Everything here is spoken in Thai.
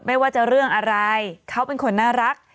ไม่ว่าจะเรื่องอะไรเขาเป็นคนน่ารัก